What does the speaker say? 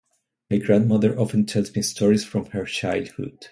My grandmother often tells me stories from her childhood.